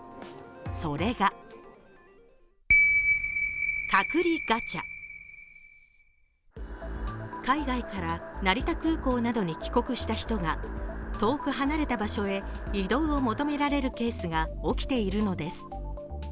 それが海外から成田空港などに帰国した人が遠く離れた場所へ移動を求められるケースが起きているのです。